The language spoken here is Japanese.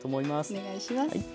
お願いします。